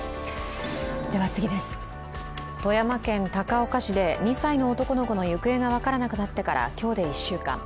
富山県高岡市で２歳の男の子の行方が分からなくなってから今日で１週間。